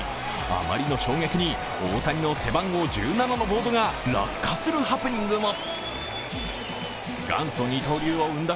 あまりの衝撃に大谷の背番号１７のボードが落下するハプニングも。